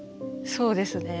そうですね。